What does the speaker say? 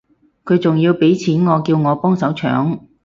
佢仲要畀錢我叫我幫手搶